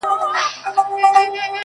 زما د لاس شينكى خال يې له وخته وو ساتلى.